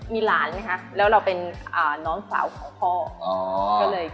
มีหลานนะคะแล้วเราน้องสาวของพ่อ